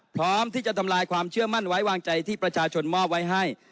พร้อมที่จะทำลายความเชื่อมั่นไว้วางใจที่ประชาชนมอบไว้ให้